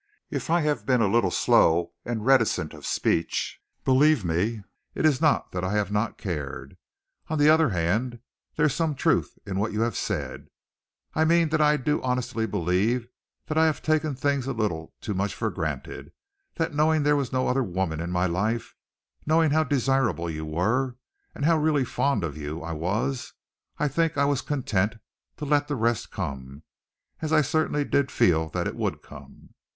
If I have been a little slow and reticent of speech, believe me, it is not that I have not cared. On the other hand, there is some truth in what you have said I mean that I do honestly believe that I have taken things a little too much for granted, that knowing there was no other woman in my life, knowing how desirable you were, and how really fond of you I was, I think I was content to let the rest come, as I certainly did feel that it would come."